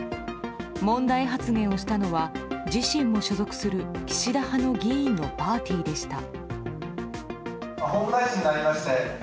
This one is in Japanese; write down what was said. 問題発言をしたのは自身も所属する岸田派の議員のパーティーでした。